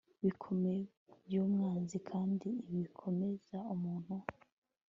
bikomeye byumwanzi kandi ibi bikomeza umuntu